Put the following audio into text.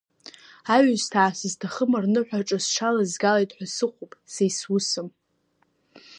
Аҩсҭаа сызҭахым рныҳәаҿа сҽалазгалеит ҳәа сыҟоуп са исусым…